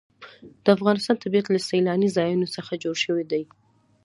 د افغانستان طبیعت له سیلاني ځایونو څخه جوړ شوی دی.